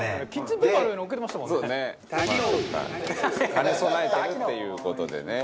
「兼ね備えてるっていう事でね」